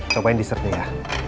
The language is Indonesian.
cobain dessertnya ya